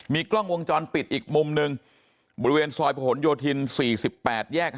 กล้องวงจรปิดอีกมุมหนึ่งบริเวณซอยผนโยธิน๔๘แยก๕